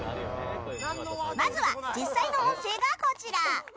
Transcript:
まずは、実際の音声がこちら。